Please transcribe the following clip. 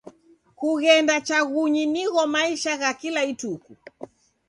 Kughenda chaghunyi nigho maisha gha kila ituku.